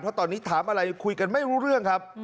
เพราะตอนนี้ถามอะไรคุยกันไม่รู้เรื่องครับ